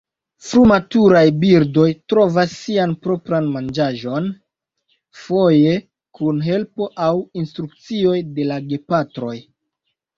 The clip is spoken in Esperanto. Frumaturaj birdoj trovas sian propran manĝaĵon, foje kun helpo aŭ instrukcioj de la gepatroj.